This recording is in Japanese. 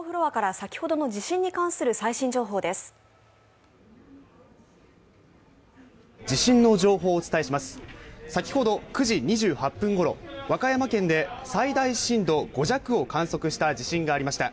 先ほど９時２８分ごろ、和歌山県で最大震度５弱を観測した地震がありました。